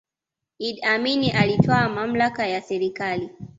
iddi amini alitwaa mamlaka ya serikali